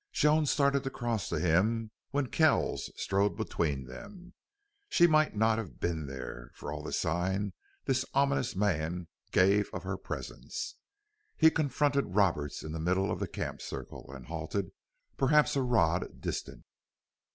Joan started to cross to him when Kells strode between them. She might not have been there, for all the sign this ominous man gave of her presence. He confronted Roberts in the middle of the camp circle, and halted, perhaps a rod distant.